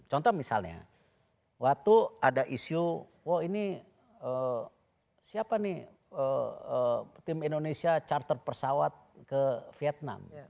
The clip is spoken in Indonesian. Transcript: contoh misalnya waktu ada isu wah ini siapa nih tim indonesia charter pesawat ke vietnam